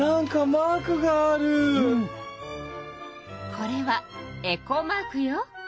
これはエコマークよ。